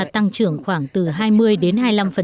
tăng trưởng khoảng từ hai mươi đến hai mươi năm